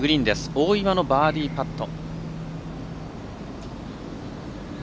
大岩のバーディーパット。